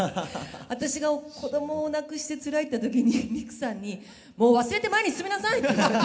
私が子供を亡くしてつらいって時にりくさんに「もう忘れて前に進みなさい」って言われて。